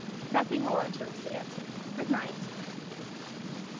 "Nothing more," Teresa answered. "Good night!"